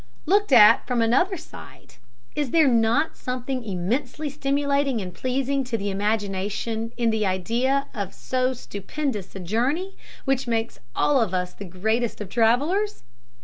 Looked at from another side, is there not something immensely stimulating and pleasing to the imagination in the idea of so stupendous a journey, which makes all of us the greatest of travelers?